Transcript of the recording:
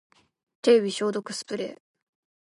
手指消毒スプレー